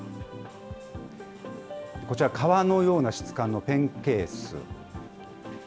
こちら、革のような質感のペンケース。